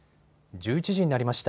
１１時になりました。